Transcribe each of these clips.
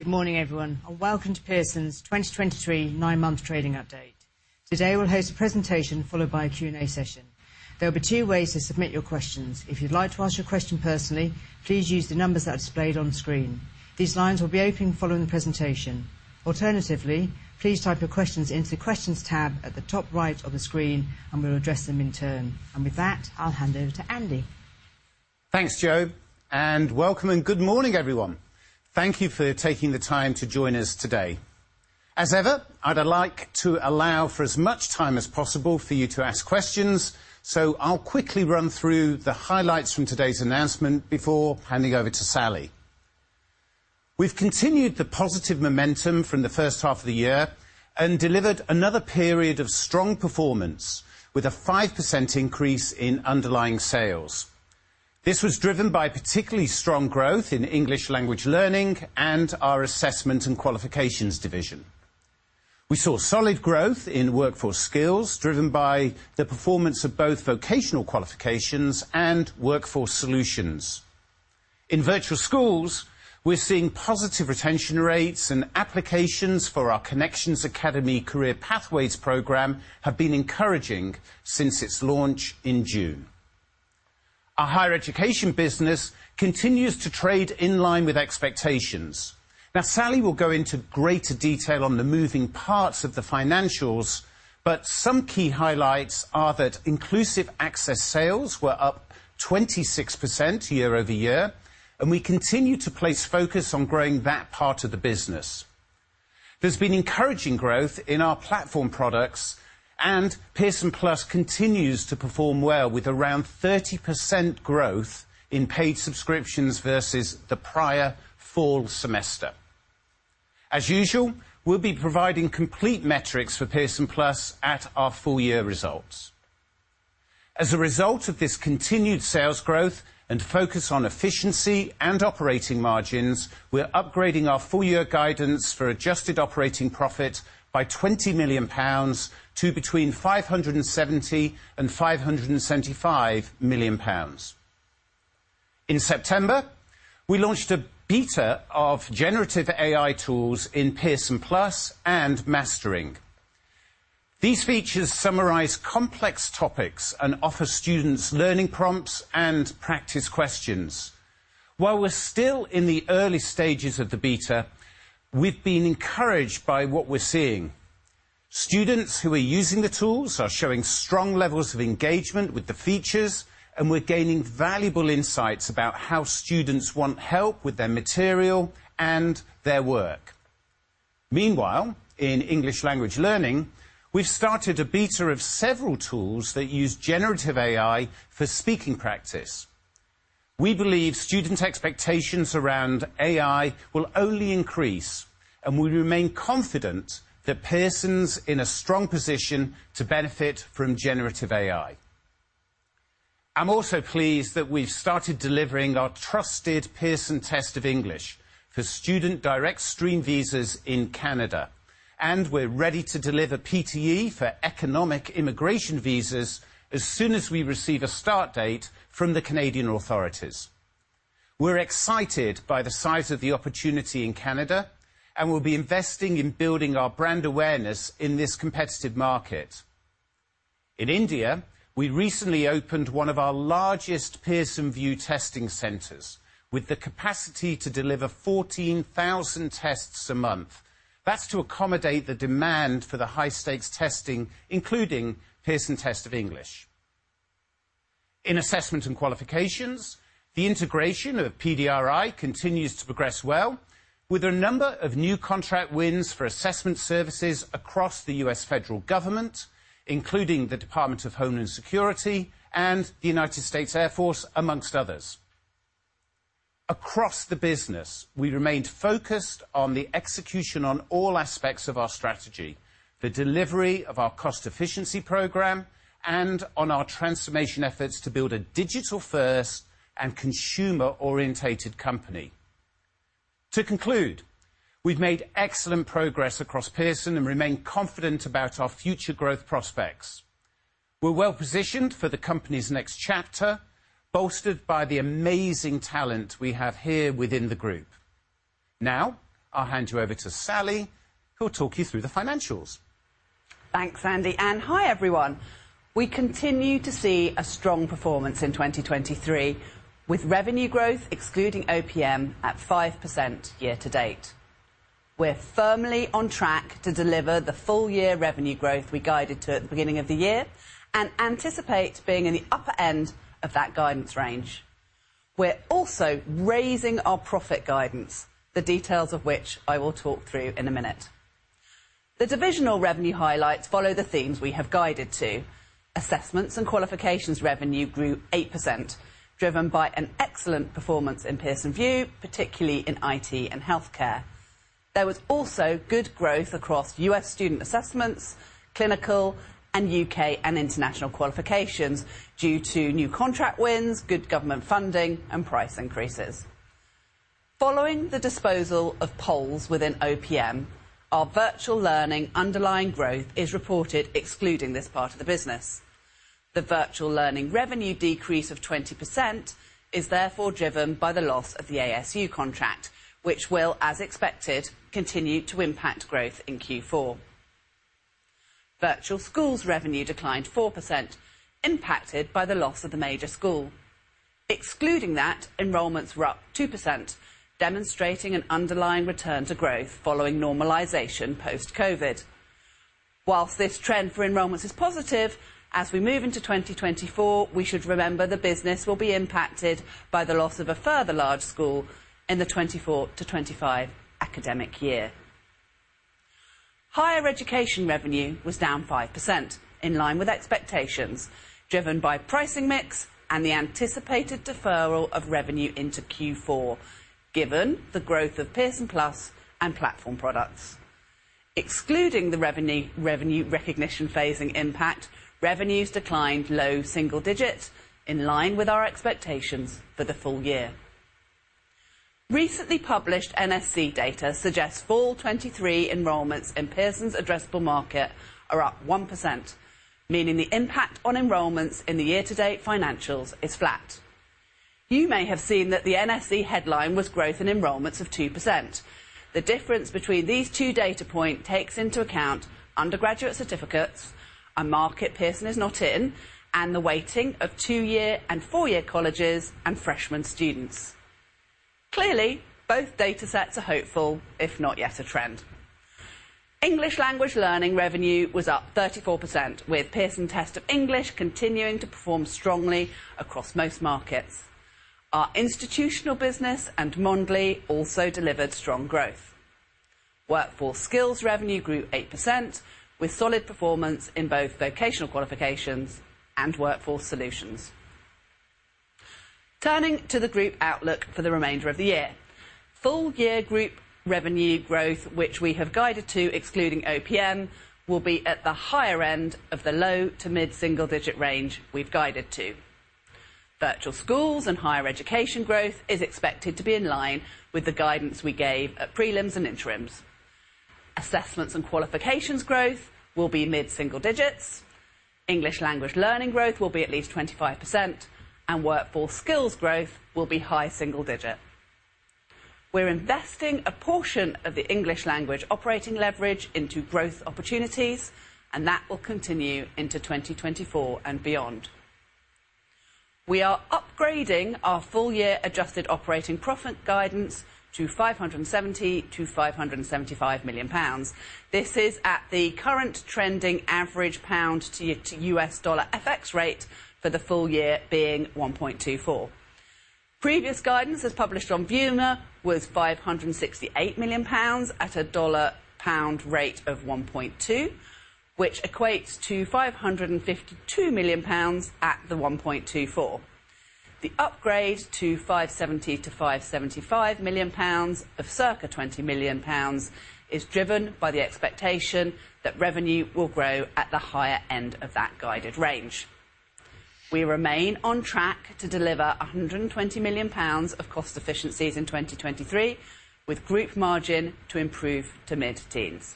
Good morning, everyone, and welcome to Pearson's 2023 nine-month trading update. Today, we'll host a presentation followed by a Q&A session. There will be two ways to submit your questions. If you'd like to ask your question personally, please use the numbers that are displayed on screen. These lines will be open following the presentation. Alternatively, please type your questions into the Questions tab at the top right of the screen, and we'll address them in turn. With that, I'll hand over to Andy. Thanks, Jo, and welcome, and good morning, everyone. Thank you for taking the time to join us today. As ever, I'd like to allow for as much time as possible for you to ask questions, so I'll quickly run through the highlights from today's announcement before handing over to Sally. We've continued the positive momentum from the first half of the year and delivered another period of strong performance, with a 5% increase in underlying sales. This was driven by particularly strong growth in English Language Learning and our Assessments and Qualifications division. We saw solid growth in Workforce Skills, driven by the performance of both Vocational Qualifications and Workforce Solutions. In Virtual Schools, we're seeing positive retention rates, and applications for our Connections Academy Career Pathways program have been encouraging since its launch in June. Our Higher Education business continues to trade in line with expectations. Now, Sally will go into greater detail on the moving parts of the financials, but some key highlights are that Inclusive Access sales were up 26% year-over-year, and we continue to place focus on growing that part of the business. There's been encouraging growth in our platform products, and Pearson+ continues to perform well, with around 30% growth in paid subscriptions versus the prior fall semester. As usual, we'll be providing complete metrics for Pearson+ at our full year results. As a result of this continued sales growth and focus on efficiency and operating margins, we're upgrading our full year guidance for adjusted operating profit by 20 million pounds to between 570 million and 575 million pounds. In September, we launched a beta of generative AI tools in Pearson+ and Mastering. These features summarize complex topics and offer students learning prompts and practice questions. While we're still in the early stages of the beta, we've been encouraged by what we're seeing. Students who are using the tools are showing strong levels of engagement with the features, and we're gaining valuable insights about how students want help with their material and their work. Meanwhile, in English Language Learning, we've started a beta of several tools that use generative AI for speaking practice. We believe student expectations around AI will only increase, and we remain confident that Pearson's in a strong position to benefit from generative AI. I'm also pleased that we've started delivering our trusted Pearson Test of English for Student Direct Stream visas in Canada, and we're ready to deliver PTE for Economic immigration visas as soon as we receive a start date from the Canadian authorities. We're excited by the size of the opportunity in Canada, and we'll be investing in building our brand awareness in this competitive market. In India, we recently opened one of our largest Pearson VUE testing centers, with the capacity to deliver 14,000 tests a month. That's to accommodate the demand for the high-stakes testing, including Pearson Test of Assessments and Qualifications, the integration of PDRI continues to progress well, with a number of new contract wins for assessment services across the U.S. federal government, including the Department of Homeland Security and the United States Air Force, among others. Across the business, we remained focused on the execution on all aspects of our strategy, the delivery of our cost efficiency program, and on our transformation efforts to build a digital-first and consumer-oriented company. To conclude, we've made excellent progress across Pearson and remain confident about our future growth prospects. We're well-positioned for the company's next chapter, bolstered by the amazing talent we have here within the group. Now, I'll hand you over to Sally, who will talk you through the financials. Thanks, Andy, and hi, everyone. We continue to see a strong performance in 2023, with revenue growth, excluding OPM, at 5% year to date. We're firmly on track to deliver the full year revenue growth we guided to at the beginning of the year and anticipate being in the upper end of that guidance range. We're also raising our profit guidance, the details of which I will talk through in a minute. The divisional revenue highlights follow the themes we have guided to. Assessments and Qualifications revenue grew 8%, driven by an excellent performance in Pearson VUE, particularly in IT and healthcare. There was also good growth across U.S. student assessments, clinical, and U.K. and international qualifications due to new contract wins, good government funding, and price increases. Following the disposal of POLS within OPM, our Virtual Learning underlying growth is reported excluding this part of the business. The Virtual Learning revenue decrease of 20% is therefore driven by the loss of the ASU contract, which will, as expected, continue to impact growth in Q4. Virtual Schools revenue declined 4%, impacted by the loss of the major school. Excluding that, enrollments were up 2%, demonstrating an underlying return to growth following normalization post-COVID. Whilst this trend for enrollments is positive, as we move into 2024, we should remember the business will be impacted by the loss of a further large school in the 2024 to 2025 academic year. Higher Education revenue was down 5%, in line with expectations, driven by pricing mix and the anticipated deferral of revenue into Q4, given the growth of Pearson+ and platform products. Excluding the revenue, revenue recognition phasing impact, revenues declined low single digits, in line with our expectations for the full year. Recently published NSC data suggests fall 2023 enrollments in Pearson's addressable market are up 1%, meaning the impact on enrollments in the year-to-date financials is flat. You may have seen that the NSC headline was growth in enrollments of 2%. The difference between these two data points takes into account undergraduate certificates, a market Pearson is not in, and the weighting of two-year and four-year colleges and freshman students. Clearly, both datasets are hopeful, if not yet a trend. English Language Learning revenue was up 34%, with Pearson Test of English continuing to perform strongly across most markets. Our institutional business and Mondly also delivered strong growth. Workforce Skills revenue grew 8%, with solid performance in both Vocational Qualifications and Workforce Solutions. Turning to the group outlook for the remainder of the year. Full-year group revenue growth, which we have guided to, excluding OPM, will be at the higher end of the low to mid-single digit range we've guided to. Virtual Schools and Higher Education growth is expected to be in line with the guidance we gave at prelims and interims. Assessments and Qualifications growth will be mid-single digits. English Language Learning growth will be at least 25%, and Workforce Skills growth will be high single digit. We're investing a portion of the English Language operating leverage into growth opportunities, and that will continue into 2024 and beyond. We are upgrading our full-year adjusted operating profit guidance to 570 million-575 million pounds. This is at the current trending average pound to U.S. dollar FX rate for the full year being 1.24. Previous guidance, as published on Bloomberg, was 568 million pounds at a dollar pound rate of 1.2, which equates to 552 million pounds at the 1.24. The upgrade to 570 million-575 million pounds, of circa 20 million pounds, is driven by the expectation that revenue will grow at the higher end of that guided range. We remain on track to deliver 120 million pounds of cost efficiencies in 2023, with group margin to improve to mid-teens.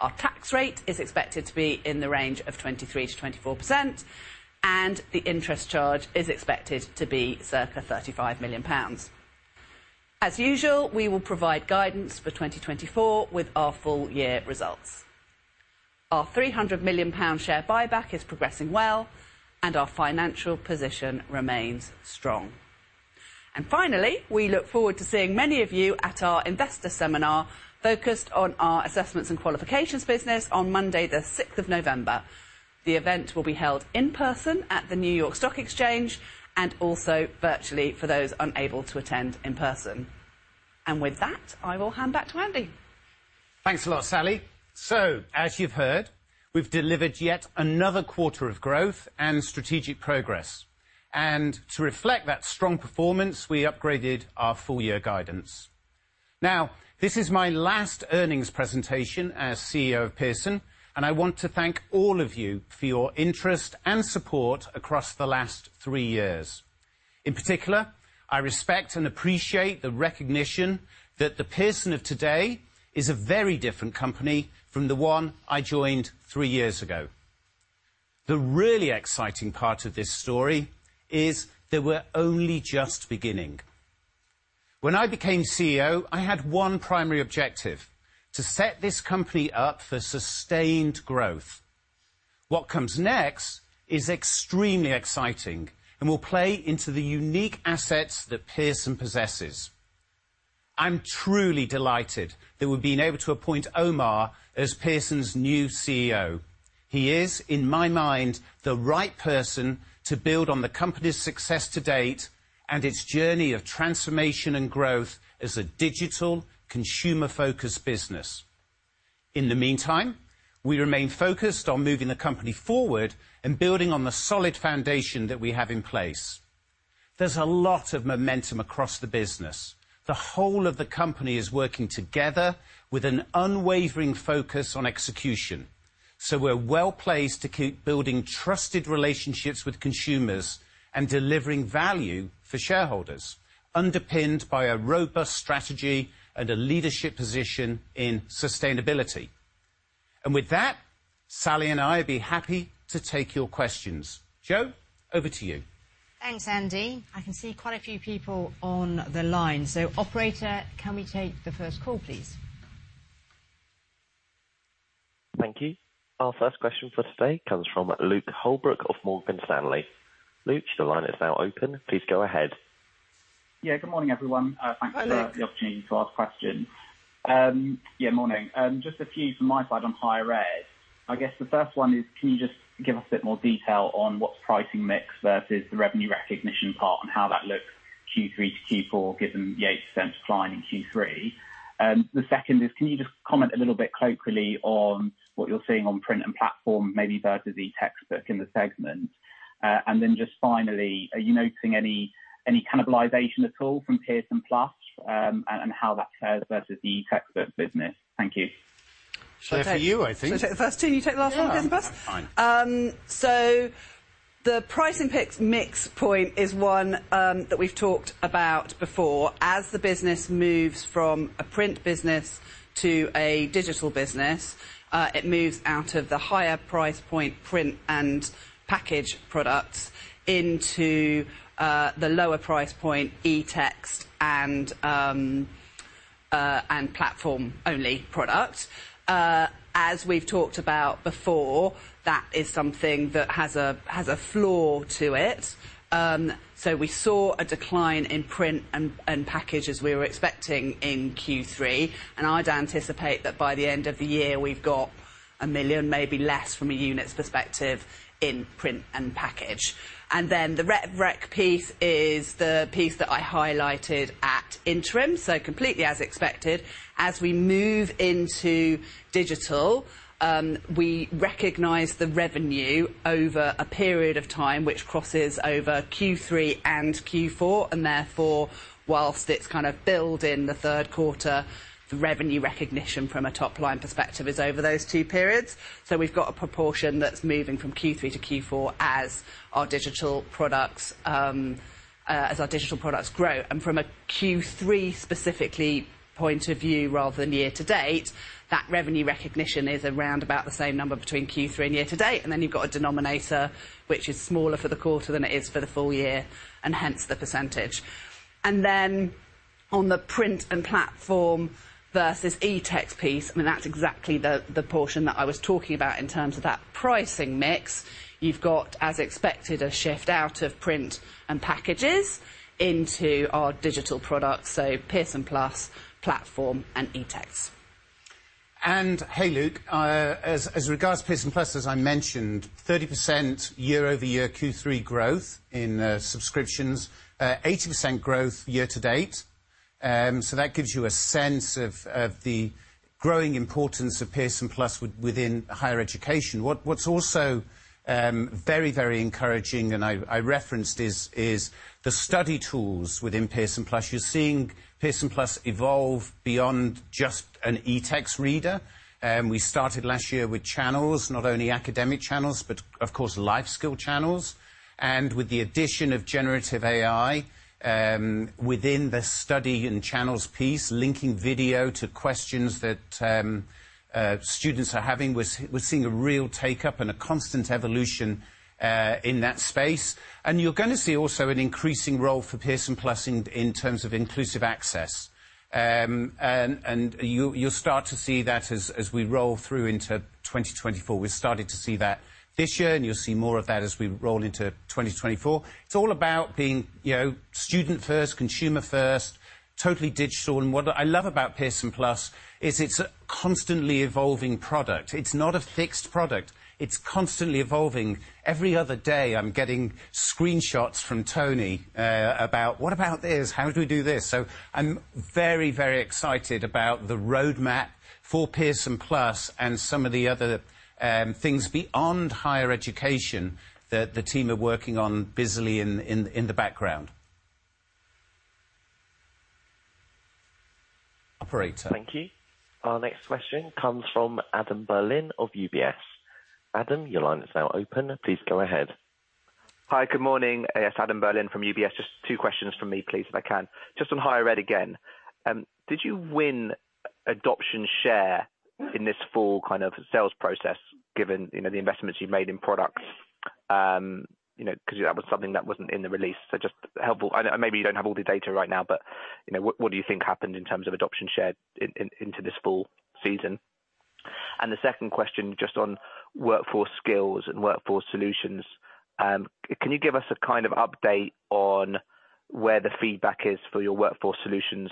Our tax rate is expected to be in the range of 23%-24%, and the interest charge is expected to be circa 35 million pounds. As usual, we will provide guidance for 2024 with our full year results. Our 300 million pound share buyback is progressing well, and our financial position remains strong. Finally, we look forward to seeing many of you at our investor seminar, focused on our Assessments and Qualifications business on Monday, the sixth of November. The event will be held in person at the New York Stock Exchange and also virtually for those unable to attend in person. And with that, I will hand back to Andy. Thanks a lot, Sally. So, as you've heard, we've delivered yet another quarter of growth and strategic progress, and to reflect that strong performance, we upgraded our full-year guidance. Now, this is my last earnings presentation as CEO of Pearson, and I want to thank all of you for your interest and support across the last three years. In particular, I respect and appreciate the recognition that the Pearson of today is a very different company from the one I joined three years ago. The really exciting part of this story is that we're only just beginning. When I became CEO, I had one primary objective: to set this company up for sustained growth. What comes next is extremely exciting and will play into the unique assets that Pearson possesses. I'm truly delighted that we've been able to appoint Omar as Pearson's new CEO. He is, in my mind, the right person to build on the company's success to date and its journey of transformation and growth as a digital, consumer-focused business. In the meantime, we remain focused on moving the company forward and building on the solid foundation that we have in place. There's a lot of momentum across the business. The whole of the company is working together with an unwavering focus on execution, so we're well-placed to keep building trusted relationships with consumers and delivering value for shareholders, underpinned by a robust strategy and a leadership position in sustainability. With that, Sally and I would be happy to take your questions. Jo, over to you. Thanks, Andy. I can see quite a few people on the line. So operator, can we take the first call, please? Thank you. Our first question for today comes from Luke Holbrook of Morgan Stanley. Luke, the line is now open. Please go ahead. Yeah, good morning, everyone. Hi, Luke. Thanks for the opportunity to ask questions. Morning. Just a few from my side on higher ed. I guess the first one is, can you just give us a bit more detail on what's pricing mix versus the revenue recognition part, and how that looks Q3 to Q4, given the 8% decline in Q3? The second is, can you just comment a little bit colloquially on what you're seeing on print and platform, maybe versus eTextbook in the segment? And then just finally, are you noticing any cannibalization at all from Pearson+, and how that fares versus the textbook business? Thank you. For you, I think. Should I take the first two, and you take the last one, Christopher? Yeah, that's fine. The pricing mix point is one that we've talked about before. As the business moves from a print business to a digital business, it moves out of the higher price point, print and package products into the lower price point, eText and platform-only product. As we've talked about before, that is something that has a flaw to it. We saw a decline in print and package as we were expecting in Q3, and I'd anticipate that by the end of the year, we've got 1 million, maybe less, from a units perspective in print and package. The rec piece is the piece that I highlighted at interim, so completely as expected. As we move into digital, we recognize the revenue over a period of time, which crosses over Q3 and Q4, and therefore, while it's kind of built in the third quarter, the revenue recognition from a top-line perspective is over those two periods. So we've got a proportion that's moving from Q3 to Q4 as our digital products, as our digital products grow. And from a Q3 specifically point of view, rather than year to date, that revenue recognition is around about the same number between Q3 and year to date. And then you've got a denominator, which is smaller for the quarter than it is for the full year, and hence the percentage. And then, on the print and platform versus eText piece, I mean, that's exactly the portion that I was talking about in terms of that pricing mix. You've got, as expected, a shift out of print and packages into our digital products, so Pearson+, Platform, and eText. And hey, Luke, as regards to Pearson+, as I mentioned, 30% year-over-year Q3 growth in subscriptions, 80% growth year-to-date. So that gives you a sense of the growing importance of Pearson+ within higher education. What's also very encouraging, and I referenced, is the study tools within Pearson+. You're seeing Pearson+ evolve beyond just an eText reader. We started last year with Channels, not only academic Channels, but of course, life skill Channels. And with the addition of generative AI within the study and Channels piece, linking video to questions that students are having, we're seeing a real take-up and a constant evolution in that space. And you're gonna see also an increasing role for Pearson+ in terms of Inclusive Access. And you, you'll start to see that as we roll through into 2024. We've started to see that this year, and you'll see more of that as we roll into 2024. It's all about being, you know, student first, consumer first, totally digital. And what I love about Pearson+ is it's a constantly evolving product. It's not a fixed product. It's constantly evolving. Every other day, I'm getting screenshots from Tony about, "What about this? How do we do this?" So I'm very, very excited about the roadmap for Pearson+ and some of the other things beyond higher education that the team are working on busily in the background. Operator. Thank you. Our next question comes from Adam Berlin of UBS. Adam, your line is now open. Please go ahead. Hi, good morning. Yes, Adam Berlin from UBS. Just two questions from me, please, if I can. Just on higher ed again, did you win adoption share in this full kind of sales process, given, you know, the investments you've made in products? You know, because that was something that wasn't in the release, so just helpful. Maybe you don't have all the data right now, but, you know, what do you think happened in terms of adoption share into this full season? The second question, just on Workforce Skills and Workforce Solutions. Can you give us a kind of update on where the feedback is for your Workforce Solutions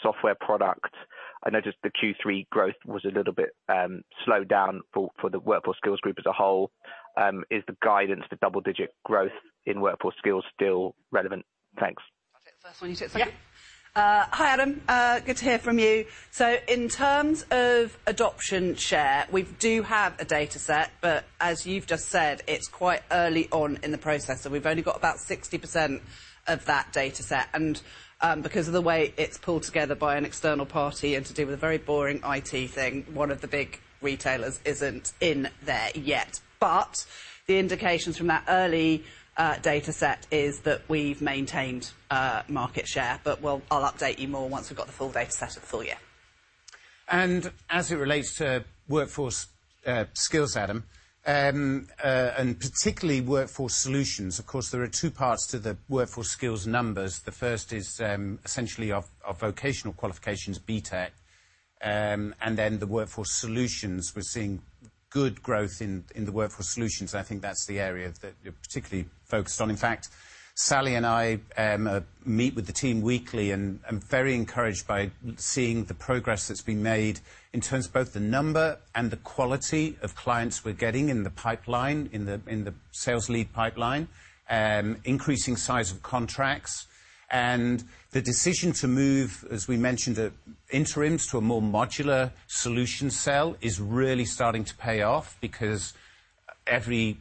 software product? I noticed the Q3 growth was a little bit slowed down for the Workforce Skills group as a whole. Is the guidance to double-digit growth in Workforce Skills still relevant? Thanks. I'll take the first one, you take the second. Yeah. Hi, Adam. Good to hear from you. So in terms of adoption share, we do have a data set, but as you've just said, it's quite early on in the process, so we've only got about 60% of that data set. And, because of the way it's pulled together by an external party and to do with a very boring IT thing, one of the big retailers isn't in there yet. But the indications from that early, data set is that we've maintained, market share, but well, I'll update you more once we've got the full data set at the full year. And as it relates to Workforce Skills, Adam, and particularly Workforce Solutions, of course, there are two parts to the Workforce Skills numbers. The first is essentially our Vocational Qualifications, BTEC, and then the Workforce Solutions. We're seeing good growth in the Workforce Solutions. I think that's the area that you're particularly focused on. In fact, Sally and I meet with the team weekly, and I'm very encouraged by seeing the progress that's been made in terms of both the number and the quality of clients we're getting in the pipeline, in the sales lead pipeline, increasing size of contracts. The decision to move, as we mentioned, the interims to a more modular solution sale, is really starting to pay off because every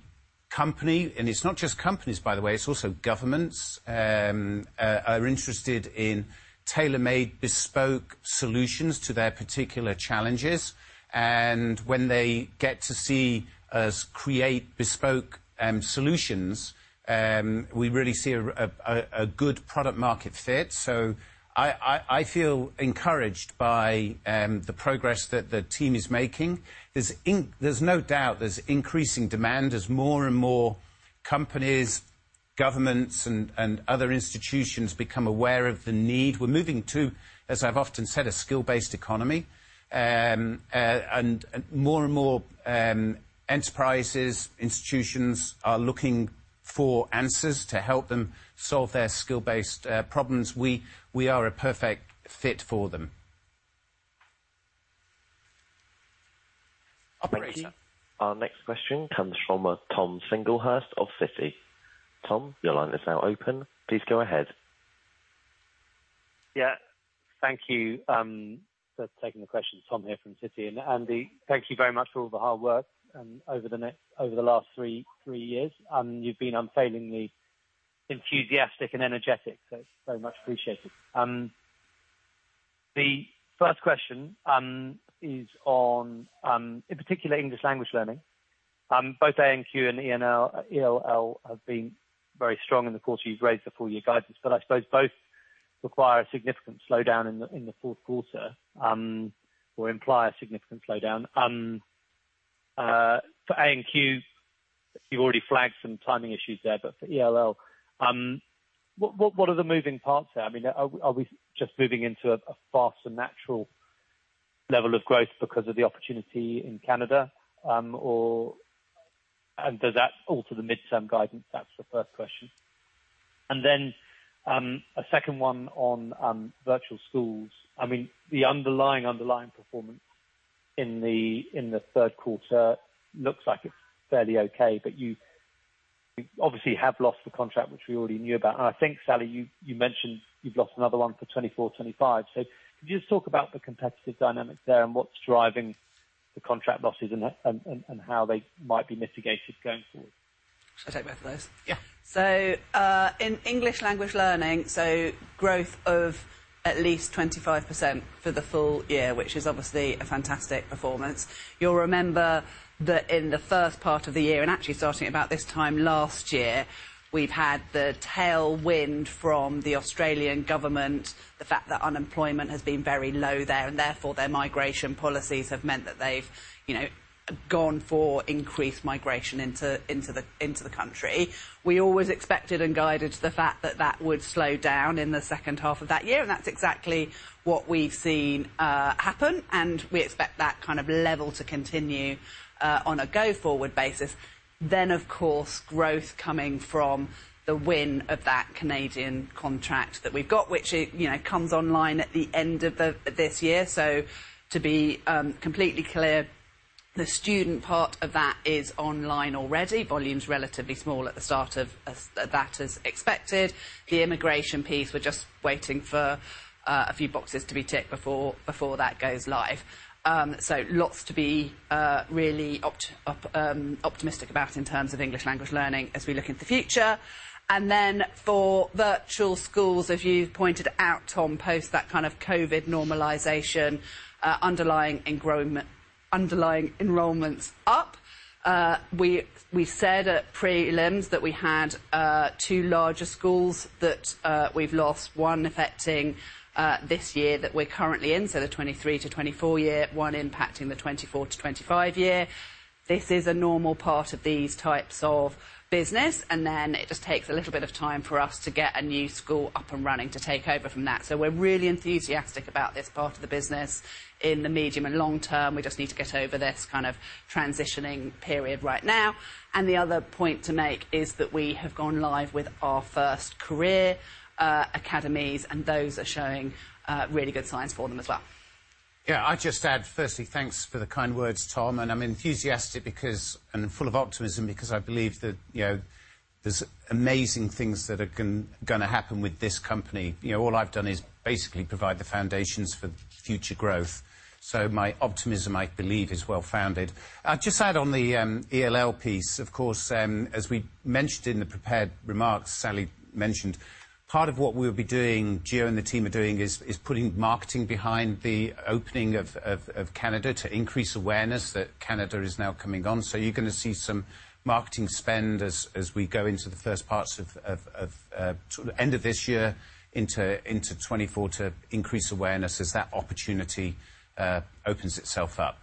company, and it's not just companies, by the way, it's also governments, are interested in tailor-made, bespoke solutions to their particular challenges. And when they get to see us create bespoke solutions, we really see a good product market fit. So I feel encouraged by the progress that the team is making. There's no doubt there's increasing demand as more and more companies, governments and other institutions become aware of the need. We're moving to, as I've often said, a skill-based economy. And more and more enterprises, institutions are looking for answers to help them solve their skill-based problems. We are a perfect fit for them. Operator? Thank you. Our next question comes from Tom Singlehurst of Citi. Tom, your line is now open. Please go ahead. Yeah, thank you, for taking the question. Tom here from Citi, and Andy, thank you very much for all the hard work, over the next- over the last three, three years. You've been unfailingly enthusiastic and energetic, so it's very much appreciated. The first question, is on, in particular, English Language Learning. Both A&Q and ENL, ELL have been very strong in the course you've raised the full year guidance, but I suppose both require a significant slowdown in the fourth quarter, or imply a significant slowdown. For A&Q, you've already flagged some timing issues there, but for ELL, what, what, what are the moving parts there? I mean, are, are we just moving into a faster natural level of growth because of the opportunity in Canada? Or and does that alter the midterm guidance? That's the first question. And then, a second one on Virtual Schools. I mean, the underlying performance in the third quarter looks like it's fairly okay, but you obviously have lost the contract, which we already knew about. And I think, Sally, you mentioned you've lost another one for 2024, 2025. So could you just talk about the competitive dynamics there and what's driving the contract losses and how they might be mitigated going forward? Should I take both of those? Yeah. So, in English Language Learning, so growth of at least 25% for the full year, which is obviously a fantastic performance. You'll remember that in the first part of the year, and actually starting about this time last year, we've had the tailwind from the Australian government, the fact that unemployment has been very low there, and therefore, their migration policies have meant that they've, you know, gone for increased migration into the country. We always expected and guided to the fact that that would slow down in the second half of that year, and that's exactly what we've seen happen, and we expect that kind of level to continue on a go-forward basis. Then, of course, growth coming from the win of that Canadian contract that we've got, which, you know, comes online at the end of this year. So to be completely clear, the student part of that is online already. Volume's relatively small at the start of that, as expected. The immigration piece, we're just waiting for a few boxes to be ticked before that goes live. So lots to be really optimistic about in terms of English Language Learning as we look into the future. And then for Virtual Schools, as you pointed out, Tom, post that kind of COVID normalization, underlying enrollments up. We said at prelims that we had two larger schools that we've lost, one affecting this year that we're currently in, so the 2023-2024 year, one impacting the 2024 to 2025 year. This is a normal part of these types of business, and then it just takes a little bit of time for us to get a new school up and running to take over from that. So we're really enthusiastic about this part of the business. In the medium and long term, we just need to get over this kind of transitioning period right now. And the other point to make is that we have gone live with our first Career Academies, and those are showing really good signs for them as well. Yeah, I'd just add, firstly, thanks for the kind words, Tom. And I'm enthusiastic because, and full of optimism because I believe that, you know, there's amazing things that are gonna happen with this company. You know, all I've done is basically provide the foundations for future growth. So my optimism, I believe, is well-founded. I'd just add on the ELL piece, of course, as we mentioned in the prepared remarks, Sally mentioned, part of what we'll be doing, Gio and the team are doing, is putting marketing behind the opening of Canada to increase awareness that Canada is now coming on. So you're gonna see some marketing spend as we go into the first parts of sort of end of this year into 2024, to increase awareness as that opportunity opens itself up.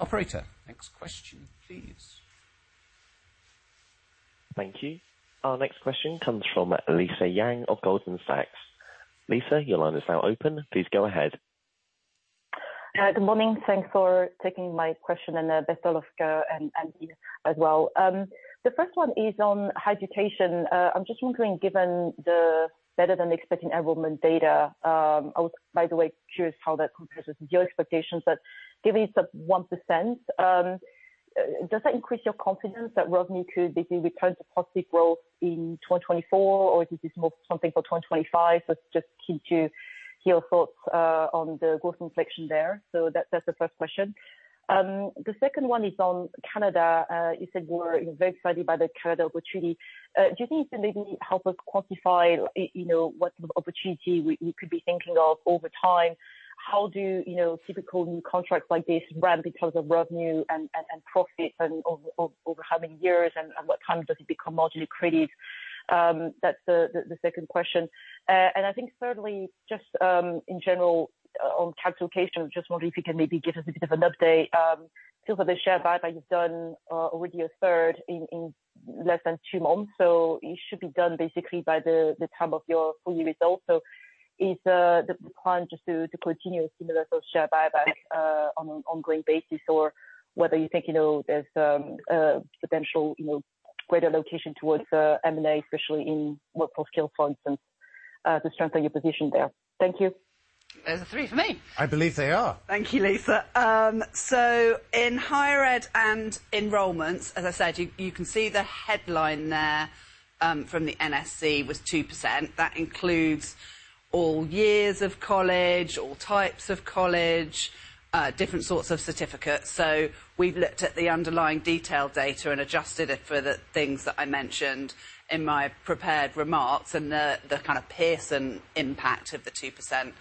Operator, next question, please. Thank you. Our next question comes from Lisa Yang of Goldman Sachs. Lisa, your line is now open. Please go ahead. Good morning. Thanks for taking my question, and best of luck to you and Andy as well. The first one is on higher education. I'm just wondering, given the better-than-expected enrollment data, I was, by the way, curious how that compares with your expectations. But giving it some 1%, does that increase your confidence that revenue could basically return to positive growth in 2024, or is this more something for 2025? So just keen to hear your thoughts on the growth inflection there. So that's the first question. The second one is on Canada. You said you were very excited by the Canada opportunity. Do you think you can maybe help us quantify, you know, what opportunity we could be thinking of over time? How long do typical new contracts like this run in terms of revenue and profit over how many years, and what time does it become marginally accretive? That's the second question. And I think thirdly, just in general, on capital allocation, I just wonder if you can maybe give us a bit of an update. So for the share buyback, you've done already a third in less than two months, so you should be done basically by the time of your full year results. So is the plan just to continue a similar sort of share buyback on an ongoing basis, or whether you think, you know, there's a potential, you know, greater allocation towards M&A, especially in Workforce Skills, for instance, to strengthen your position there? Thank you. There's 3 for me! I believe they are. Thank you, Lisa. So in higher ed and enrollments, as I said, you, you can see the headline there, from the NSC was 2%. That includes all years of college, all types of college, different sorts of certificates. So we've looked at the underlying detailed data and adjusted it for the things that I mentioned in my prepared remarks, and the, the kind of Pearson impact of the 2%,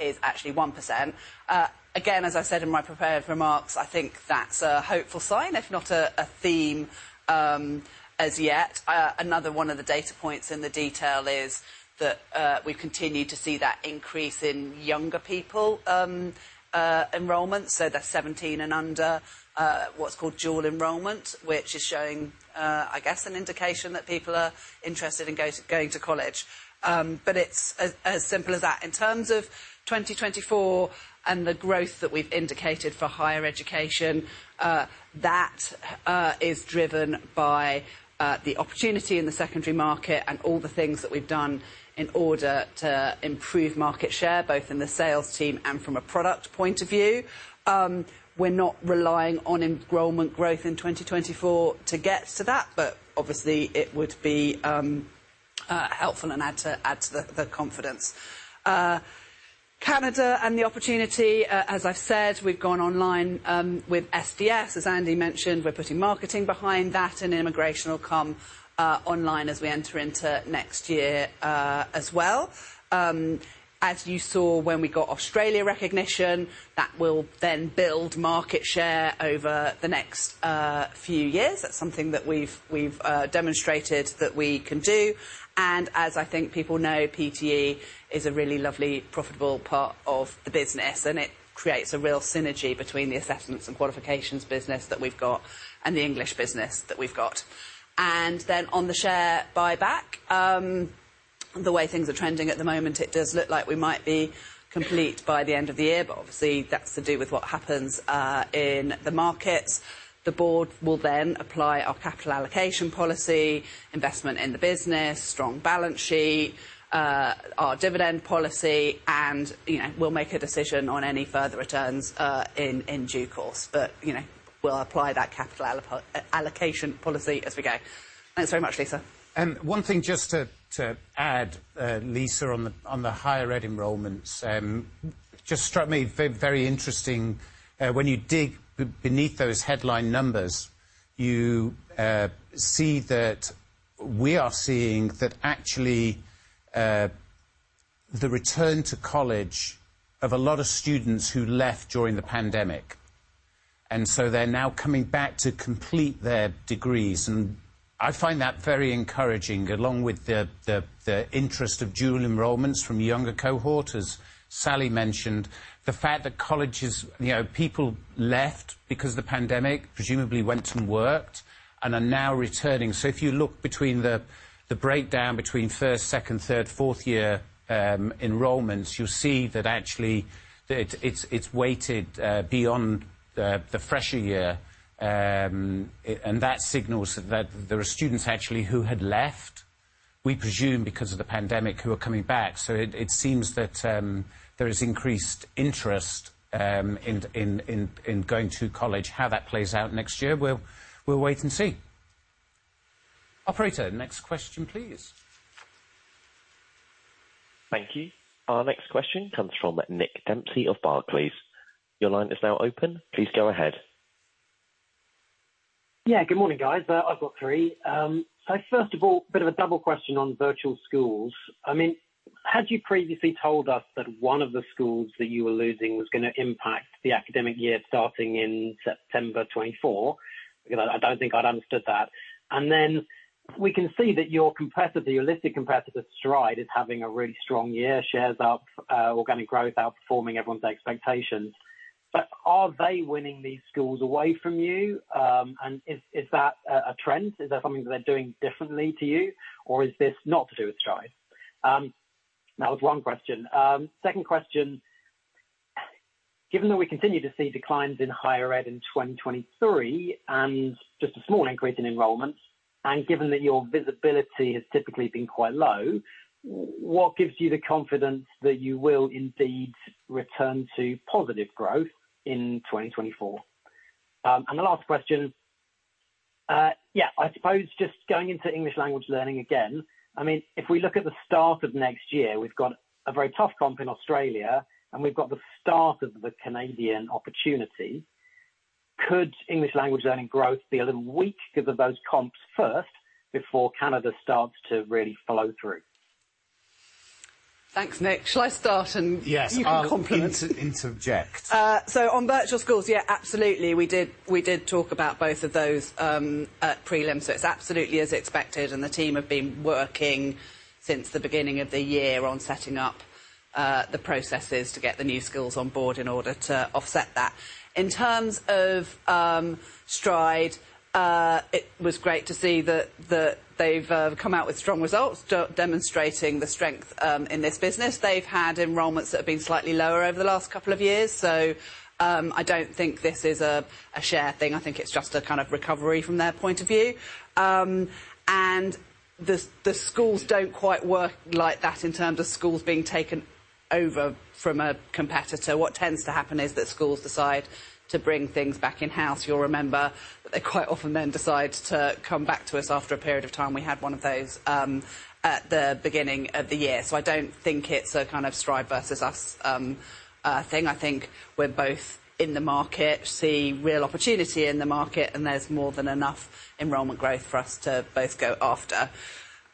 is actually 1%. Again, as I said in my prepared remarks, I think that's a hopeful sign, if not a, a theme, as yet. Another one of the data points in the detail is that, we've continued to see that increase in younger people, enrollments. That's 17 and under, what's called dual enrollment, which is showing, I guess, an indication that people are interested in going to college. It's as simple as that. In terms of 2024 and the growth that we've indicated for higher education, that is driven by the opportunity in the secondary market and all the things that we've done in order to improve market share, both in the sales team and from a product point of view. We're not relying on enrollment growth in 2024 to get to that, but obviously, it would be helpful and add to the confidence. Canada and the opportunity, as I've said, we've gone online with SDS. As Andy mentioned, we're putting marketing behind that, and immigration will come online as we enter into next year, as well. As you saw when we got Australia recognition, that will then build market share over the next few years. That's something that we've demonstrated that we can do. And as I think people know, PTE is a really lovely, profitable part of the business, and it creates a real synergy between the Assessments and Qualifications business that we've got and the English business that we've got. And then, on the share buyback, the way things are trending at the moment, it does look like we might be complete by the end of the year, but obviously, that's to do with what happens in the markets. The board will then apply our capital allocation policy, investment in the business, strong balance sheet, our dividend policy, and, you know, we'll make a decision on any further returns, in due course. But, you know, we'll apply that capital allocation policy as we go. Thanks very much, Lisa. One thing just to add, Lisa, on the higher ed enrollments, just struck me very interesting. When you dig beneath those headline numbers, you see that we are seeing that actually the return to college of a lot of students who left during the pandemic, and so they're now coming back to complete their degrees. And I find that very encouraging, along with the interest of dual enrollments from younger cohorts, as Sally mentioned. The fact that colleges... You know, people left because of the pandemic, presumably went and worked, and are now returning. So if you look between the breakdown between first, second, third, fourth-year enrollments, you'll see that actually that it's weighted beyond the fresher year. And that signals that there are students actually who had left, we presume, because of the pandemic, who are coming back. So it seems that there is increased interest in going to college. How that plays out next year, we'll wait and see. Operator, next question, please. Thank you. Our next question comes from Nick Dempsey of Barclays. Your line is now open. Please go ahead. Yeah, good morning, guys. I've got three. So first of all, bit of a double question on Virtual Schools. I mean, had you previously told us that one of the schools that you were losing was gonna impact the academic year starting in September 2024?... Because I don't think I'd understood that. And then we can see that your competitor, your listed competitor, Stride, is having a really strong year. Shares up, organic growth outperforming everyone's expectations. But are they winning these schools away from you? And is that a trend? Is that something that they're doing differently to you, or is this not to do with Stride? That was one question. Second question: given that we continue to see declines in higher ed in 2023, and just a small increase in enrollments, and given that your visibility has typically been quite low, what gives you the confidence that you will indeed return to positive growth in 2024? And the last question, yeah, I suppose just going into English Language Learning again. I mean, if we look at the start of next year, we've got a very tough comp in Australia, and we've got the start of the Canadian opportunity. Could English Language Learning growth be a little weak because of those comps first, before Canada starts to really flow through? Thanks, Nick. Shall I start, and- Yes. You can complement. Interject. So on Virtual Schools, yeah, absolutely. We did, we did talk about both of those at prelim, so it's absolutely as expected, and the team have been working since the beginning of the year on setting up the processes to get the new schools on board in order to offset that. In terms of Stride, it was great to see that they've come out with strong results, demonstrating the strength in this business. They've had enrollments that have been slightly lower over the last couple of years, so I don't think this is a share thing. I think it's just a kind of recovery from their point of view. And the schools don't quite work like that in terms of schools being taken over from a competitor. What tends to happen is that schools decide to bring things back in-house. You'll remember that they quite often then decide to come back to us after a period of time. We had one of those at the beginning of the year. So I don't think it's a kind of Stride versus us thing. I think we're both in the market, see real opportunity in the market, and there's more than enough enrollment growth for us to both go after.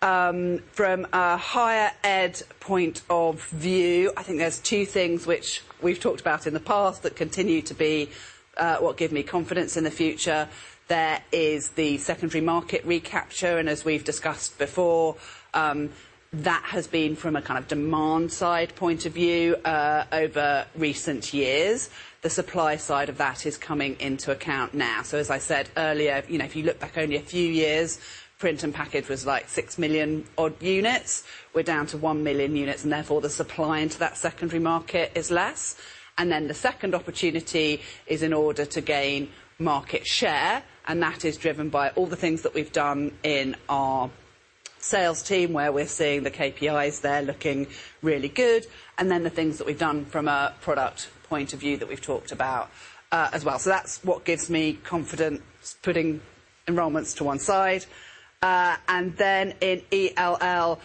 From a higher ed point of view, I think there's two things which we've talked about in the past that continue to be what give me confidence in the future. There is the secondary market recapture, and as we've discussed before, that has been from a kind of demand-side point of view over recent years. The supply side of that is coming into account now. So as I said earlier, you know, if you look back only a few years, print and package was, like, 6 million odd units. We're down to 1 million units, and therefore, the supply into that secondary market is less. And then the second opportunity is in order to gain market share, and that is driven by all the things that we've done in our sales team, where we're seeing the KPIs there looking really good, and then the things that we've done from a product point of view that we've talked about, as well. So that's what gives me confidence, putting enrollments to one side. And then in ELL,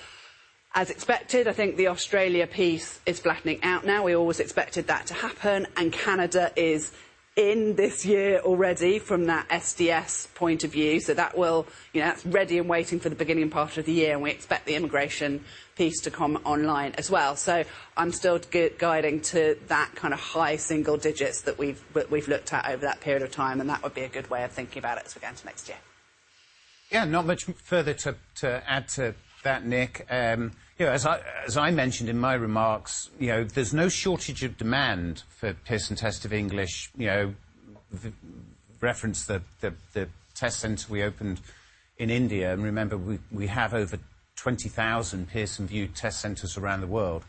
as expected, I think the Australia piece is flattening out now. We always expected that to happen, and Canada is in this year already from that SDS point of view. So that will... You know, that's ready and waiting for the beginning part of the year, and we expect the immigration piece to come online as well. So I'm still guiding to that kind of high single digits that we've looked at over that period of time, and that would be a good way of thinking about it as we go into next year. Yeah, not much further to add to that, Nick. You know, as I mentioned in my remarks, you know, there's no shortage of demand for Pearson Test of English. You know, reference the test center we opened in India, and remember, we have over 20,000 Pearson VUE test centers around the world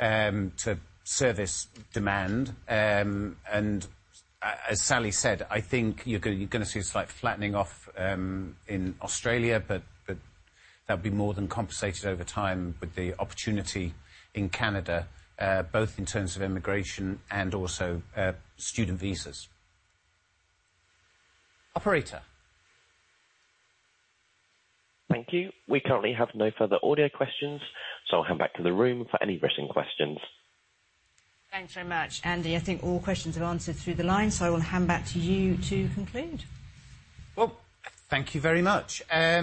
to service demand. And as Sally said, I think you're gonna see a slight flattening off in Australia, but that'll be more than compensated over time with the opportunity in Canada, both in terms of immigration and also student visas. Operator? Thank you. We currently have no further audio questions, so I'll come back to the room for any pressing questions. Thanks very much, Andy. I think all questions are answered through the line, so I will hand back to you to conclude. Well, thank you very much. As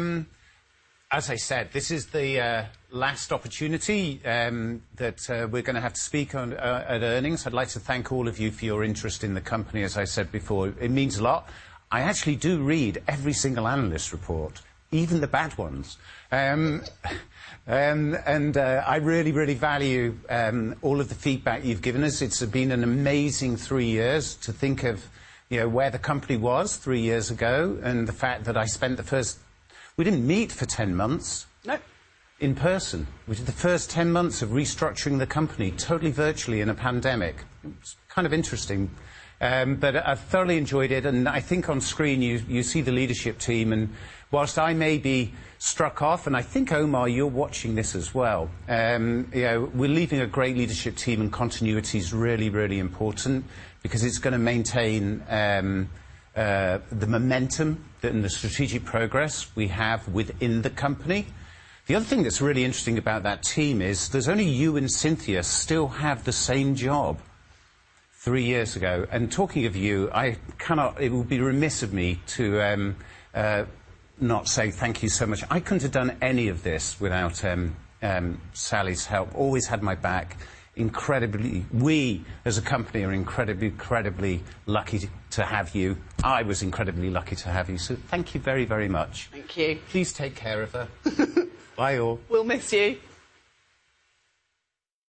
I said, this is the last opportunity that we're gonna have to speak on at earnings. I'd like to thank all of you for your interest in the company. As I said before, it means a lot. I actually do read every single analyst report, even the bad ones. And I really, really value all of the feedback you've given us. It's been an amazing three years to think of, you know, where the company was three years ago and the fact that I spent the first... We didn't meet for 10 months- No In person. We did the first 10 months of restructuring the company totally virtually in a pandemic. It's kind of interesting, but I've thoroughly enjoyed it, and I think on screen you see the leadership team, and whilst I may be struck off, and I think, Omar, you're watching this as well. You know, we're leaving a great leadership team, and continuity is really, really important because it's gonna maintain the momentum and the strategic progress we have within the company. The other thing that's really interesting about that team is there's only you and Cinthia still have the same job three years ago. Talking of you, it would be remiss of me to not say thank you so much. I couldn't have done any of this without Sally's help. Always had my back. Incredibly, we, as a company, are incredibly, incredibly lucky to, to have you. I was incredibly lucky to have you. So thank you very, very much. Thank you. Please take care of her. Bye, all. We'll miss you!